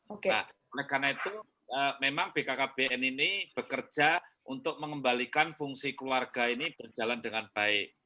nah karena itu memang bkkbn ini bekerja untuk mengembalikan fungsi keluarga ini berjalan dengan baik